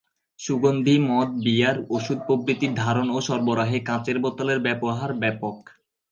সুগন্ধি, মদ, বিয়ার, ওষুধ প্রভৃতি ধারণ ও সরবরাহে কাঁচের বোতলের ব্যবহার ব্যাপক।